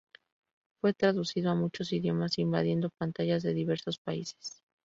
Fue traducido a muchos idiomas invadiendo pantallas de diversos países.